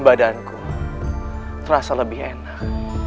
badaanku terasa lebih enak